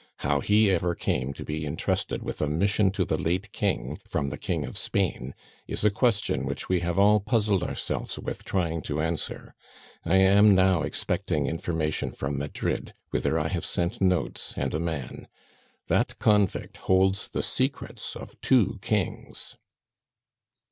How he ever came to be intrusted with a mission to the late King from the King of Spain is a question which we have all puzzled ourselves with trying to answer. I am now expecting information from Madrid, whither I have sent notes and a man. That convict holds the secrets of two kings."